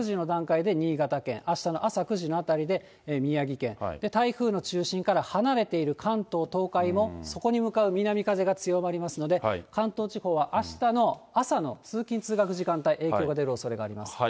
あしたの朝６時の段階で新潟県、あしたの朝９時のあたりで宮城県、台風の中心から離れている関東、東海もそこに向かう南風が強まりますので、関東地方はあしたの朝の通勤・通学時間帯、影響が出るおそれがあります。